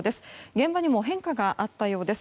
現場にも変化があったようです。